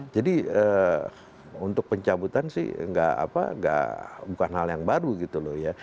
jadi untuk pencabutan sih nggak apa nggak bukan hal yang baru gitu loh ya